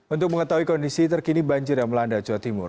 untuk mengetahui kondisi terkini banjir yang melanda jawa timur